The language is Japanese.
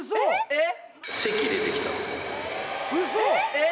えっ！？